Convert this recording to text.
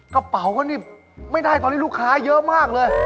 กระเป๋าก็นี่ไม่ได้ตอนนี้ลูกค้าเยอะมากเลย